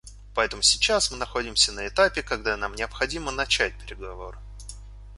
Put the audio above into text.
Поэтому сейчас мы находимся на этапе, когда нам необходимо начать переговоры.